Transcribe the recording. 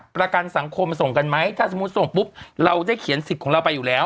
ประกันสังคมส่งกันไหมถ้าสมมุติส่งปุ๊บเราได้เขียนสิทธิ์ของเราไปอยู่แล้ว